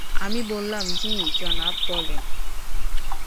আমি বললাম, জ্বি জনাব, বলেন।